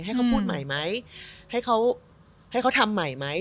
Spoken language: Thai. ให้เขาพูดใหม่ไหมให้เขาให้เขาทำใหม่ไหม